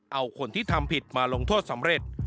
เอาคนที่ทำผิดมาลงโทษสำเร็จ